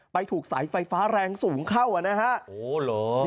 ถูกสายไฟฟ้าแรงสูงเข้าอ่ะนะฮะโอ้เหรอ